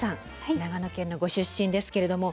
長野県のご出身ですけれども。